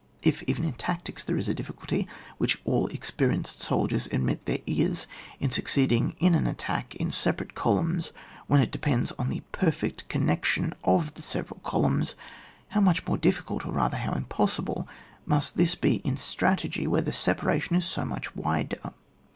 If even in tactics there is a difficulty, which all experienced soldiers admit there is, in succeeding in an attack in separate columns where it depends on the perfect connection of the several columns, how much more difficult, or rather how impossible, must this be in strategy, where the separation is so much wider.